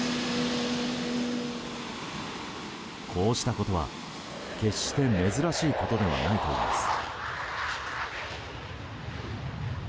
こうしたことは決して珍しいことではないといいます。